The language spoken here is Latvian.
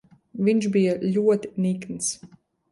Viņš bija ļoti nikns.